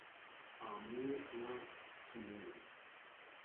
Armee lag, zu nehmen.